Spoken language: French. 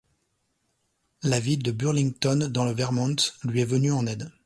La ville de Burlington, dans le Vermont, lui est venue en aide.